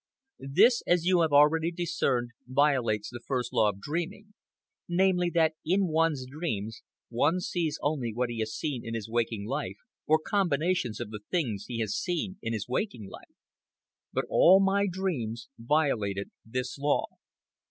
This, as you have already discerned, violates the first law of dreaming, namely, that in one's dreams one sees only what he has seen in his waking life, or combinations of the things he has seen in his waking life. But all my dreams violated this law.